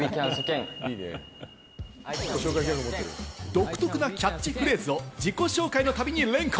独特なキャッチフレーズを自己紹介の度に連呼。